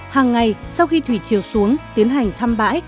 hàng ngày sau khi thủy chiều xuống tiến hành thăm bãi